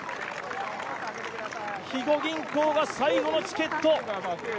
肥後銀行が最後のチケット。